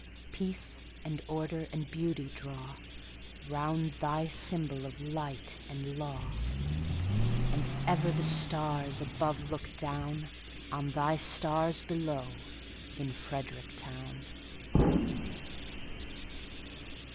Peace and order and beauty drawRound thy symbol of light and law; And ever the stars above look downOn thy stars below in Frederick town!